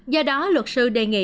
do đó luật sư đề nghị